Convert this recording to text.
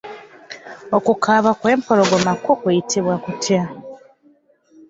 Okukaaba kw’empologoma kwo kuyitibwa kutya?